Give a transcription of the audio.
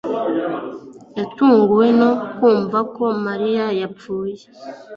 yatunguwe no kumva ko Mariya yapfuye.